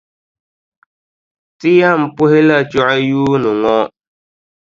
Ti yɛn puhila chuɣu yuuni ŋɔ.